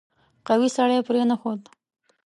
قوي سړی پرې نه ښود.